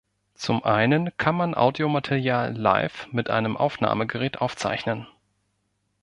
Zum einen kann man Audiomaterial live mit einem Aufnahmegerät aufzeichnen.